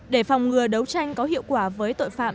để phòng ngừa đấu tranh có hiệu quả với tội phạm